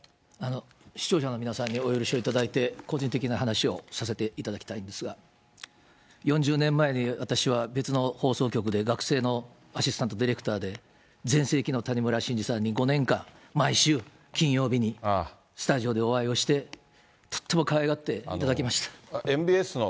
視聴者の皆さんにお許しをいただいて、個人的な話をさせていただきたいんですが、４０年前に、私は別の放送局で学生のアシスタントディレクターで全盛期の谷村新司さんに、５年間、毎週、金曜日にスタジオでお会いをして、とってもかわいがっていただきました。